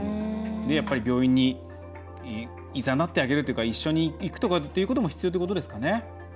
やっぱり、病院にいざなってあげるというか一緒に行くとかっていうことも必要ってことですかね。